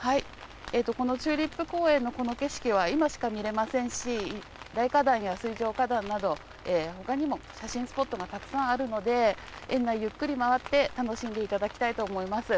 このチューリップ公園のこの景色は今しか見れませんし、大花壇や水上花壇など、ほかにも写真スポットがたくさんあるので、園内、ゆっくり回って、楽しんでいただきたいと思います。